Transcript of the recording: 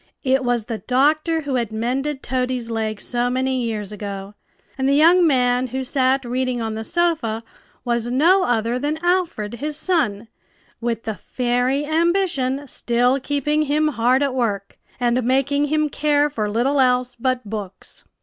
It was the doctor who had mended Toady's leg so many years ago, and the young man who sat reading on the sofa was no other than Alfred, his son, with the fairy Ambition still keeping him hard at work, and making him care for little else but books.